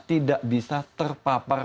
tidak bisa terpapar